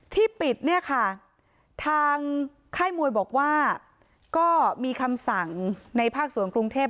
ที่ปิดเนี่ยค่ะทางค่ายมวยบอกว่าก็มีคำสั่งในภาคส่วนกรุงเทพ